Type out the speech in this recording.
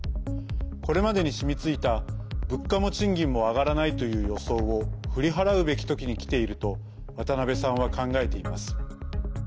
これまでに染みついた物価も賃金も上がらないという予想を振り払うべき時にきていると渡辺さんは考えています。